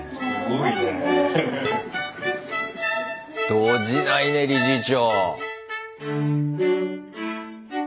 動じないね理事長。